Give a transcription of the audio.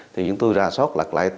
thì chúng tôi ra sót lật lại